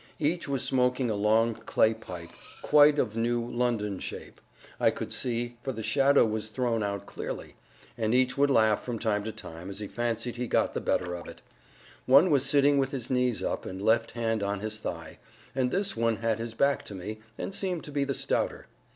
Each was smoking a long clay pipe, quite of new London shape, I could see, for the shadow was thrown out clearly; and each would laugh from time to time as he fancied he got the better of it. One was sitting with his knees up, and left hand on his thigh; and this one had his back to me, and seemed to be the stouter.